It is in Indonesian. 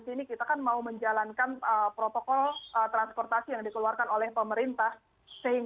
sini kita kan mau menjalankan protokol transportasi yang dikeluarkan oleh pemerintah